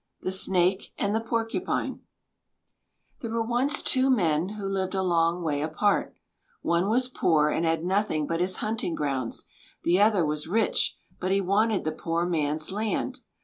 THE SNAKE AND THE PORCUPINE There were once two men who lived a long way apart: one was poor and had nothing but his hunting grounds; the other was rich, but he wanted the poor man's land.